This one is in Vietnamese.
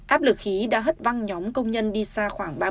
áp lực khí đã hất văng nhóm công nhân đi xa khoảng